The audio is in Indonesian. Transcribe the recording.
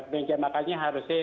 benjam makannya harusnya